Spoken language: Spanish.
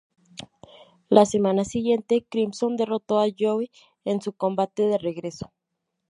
La semana siguiente, Crimson derrotó a Joe en su combate de regreso.